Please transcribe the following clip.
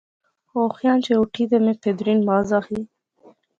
اُوخیاں جے اٹھی تہ میں پھیدری نماز آخی